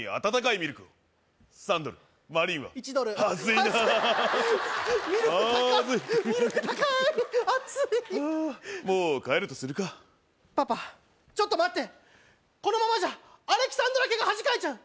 ミルク高い暑いもう帰るとするかパパちょっと待ってこのままじゃアレキサンドラ家が恥かいちゃう